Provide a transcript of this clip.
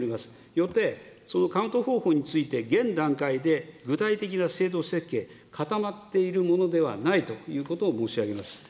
よって、そのカウント方法について、現段階で具体的な制度設計、固まっているものではないということを申し上げます。